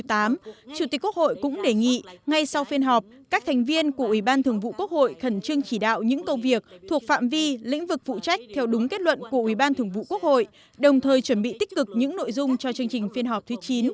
chủ tịch quốc hội cũng đề nghị ngay sau phiên họp các thành viên của ủy ban thường vụ quốc hội khẩn trương chỉ đạo những công việc thuộc phạm vi lĩnh vực phụ trách theo đúng kết luận của ủy ban thường vụ quốc hội đồng thời chuẩn bị tích cực những nội dung cho chương trình phiên họp thứ chín